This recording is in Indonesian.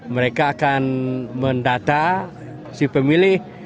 mereka akan mendata si pemilih